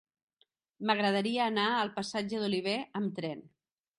M'agradaria anar al passatge d'Olivé amb tren.